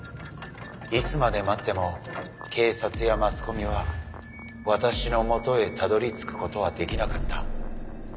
いつまで待っても警察やマスコミは私の元へたどり着くことはできなかった。